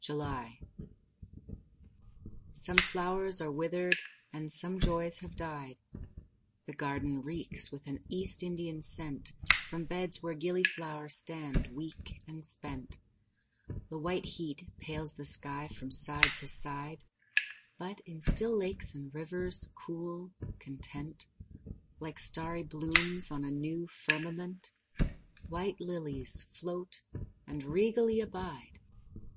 July Some flowers are withered and some joys have died; The garden reeks with an East Indian scent From beds where gillyflowers stand weak and spent; The white heat pales the skies from side to side; But in still lakes and rivers, cool, content, Like starry blooms on a new firmament, White lilies float and regally abide.